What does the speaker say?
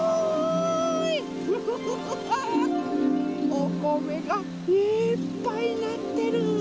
おこめがいっぱいなってる。